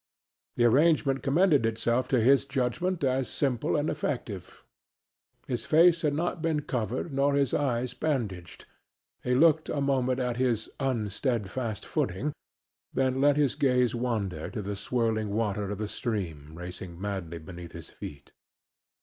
The arrangement commended itself to his judgment as simple and effective. His face had not been covered nor his eyes bandaged. He looked a moment at his "unsteadfast footing," then let his gaze wander to the swirling water of the stream racing madly beneath his feet.